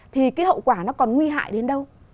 thì cái hậu quả nó còn nguy hại đến đâu